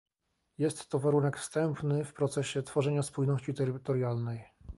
Jest to warunek wstępny w procesie tworzenia spójności terytorialnej